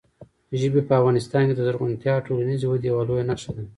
ژبې په افغانستان کې د زرغونتیا او ټولنیزې ودې یوه لویه نښه ده.